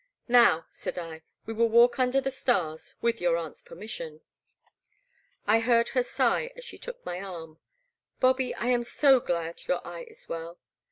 *' Now, said I, '* we will walk under the stars — ^with your aunt's permission. I heard her sigh as she took my arm; Bobby, I am so glad your eye is well.